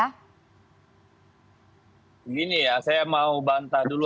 begini ya saya mau bantah dulu